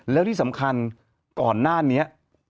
แล้วที่สำคัญก่อนหน้านี้